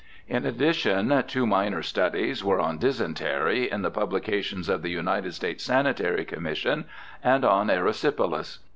In addition, two minor studies were on Dysentery, in the publications of the United States Sanitary Commission, and on Erysipelas.